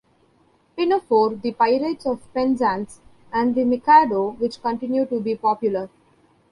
Pinafore", "The Pirates of Penzance" and "The Mikado", which continue to be popular.